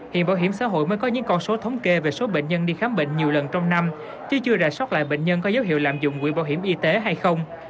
hiện bảo hiểm xã hội mới có những con số thống kê về số bệnh nhân đi khám bệnh nhiều lần trong năm chứ chưa rà soát lại bệnh nhân có dấu hiệu lạm dụng quỹ bảo hiểm y tế hay không